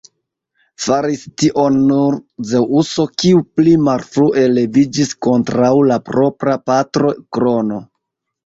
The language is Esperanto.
Faris tion nur Zeŭso, kiu pli malfrue leviĝis kontraŭ la propra patro Krono.